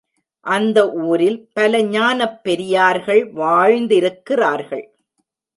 அந்த ஊரில் பல ஞானப் பெரியார்கள் வாழ்ந்திருக்கிறார்கள்.